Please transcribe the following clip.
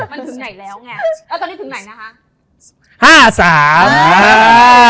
ใช่ป่ะมันถึงไหนแล้วไง